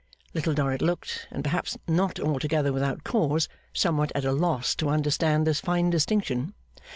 Little Dorrit looked, and perhaps not altogether without cause, somewhat at a loss to understand this fine distinction.